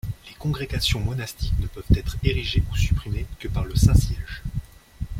Les congrégations monastiques ne peuvent être érigées ou supprimées que par le Saint-Siège.